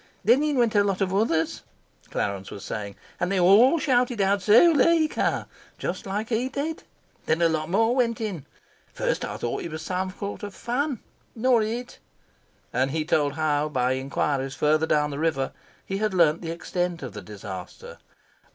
"Then in went a lot of others," Clarence was saying. "And they all shouted out 'Zuleika!' just like he did. Then a lot more went in. First I thought it was some sort of fun. Not it!" And he told how, by inquiries further down the river, he had learned the extent of the disaster.